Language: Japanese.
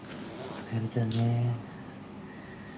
疲れたね」